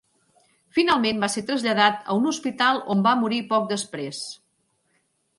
Finalment va ser traslladat a un hospital on va morir poc després.